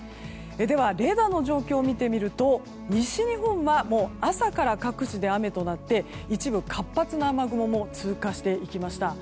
ではレーダーの状況を見てみると西日本は朝から各地で雨となって一部、活発な雨雲も通過していきました。